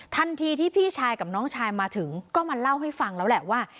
ทันทีที่พี่ชายกับน้องชายมาถึงก็มาเล่าให้ฟังแล้วแหละว่า